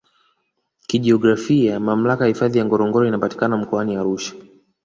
Kijiografia Mamlaka ya hifadhi ya Ngorongoro inapatikana Mkoani Arusha